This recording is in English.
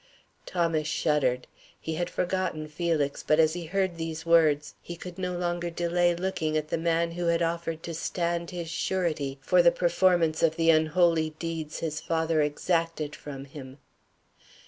Thomas shuddered; he had forgotten Felix, but as he heard these words he could no longer delay looking at the man who had offered to stand his surety for the performance of the unholy deed his father exacted from him.